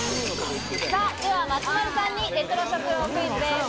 では松丸さんにレトロ食堂クイズです。